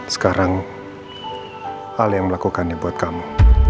sekarang hal yang melakukannya buat kamu